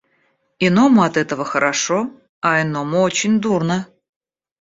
Иному от этого хорошо, а иному очень дурно.